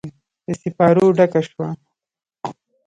د سیپارو ډکه شوه